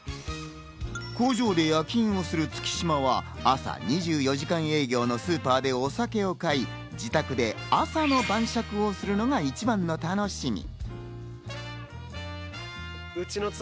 工場で夜勤をする月島は朝２４時間営業のスーパーでお酒を買い、自宅で朝の晩酌をするのが一番の楽しみ。